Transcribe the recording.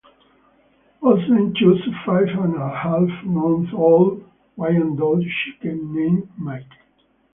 Olsen chose a five-and-a-half-month-old Wyandotte chicken named Mike.